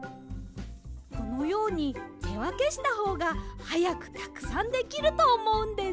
このようにてわけしたほうがはやくたくさんできるとおもうんです。